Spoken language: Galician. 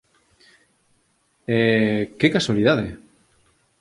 E, que casualidade!